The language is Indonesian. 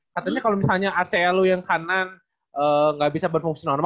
katanya kalau misalnya aclu yang kanan nggak bisa berfungsi normal